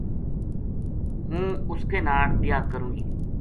ہوں اسے کے ناڑ بیاہ کروں گی ‘‘